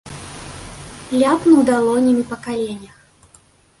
Ляпнуў далонямі па каленях.